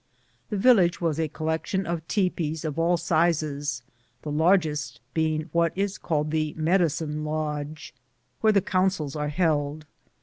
The village was a collection of tepees of all sizes, the largest being what is called the Medicine Lodge, where the councils are held.